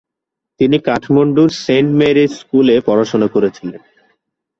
তিনি কাঠমান্ডুর Saint Mary স্কুলে পড়াশোনা করেছিলেন।